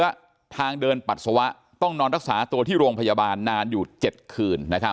และทางเดินปัสสาวะต้องนอนรักษาตัวที่โรงพยาบาลนานอยู่๗คืน